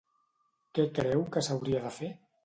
Què creu que s'hauria de fer?